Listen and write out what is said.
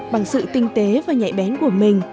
bằng sự tinh tế và nhạy bén của mình